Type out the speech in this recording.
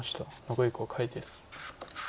残り５回です。